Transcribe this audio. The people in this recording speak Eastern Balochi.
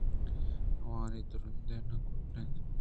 آوانی تژن نہ کُٹّ اِت اَنت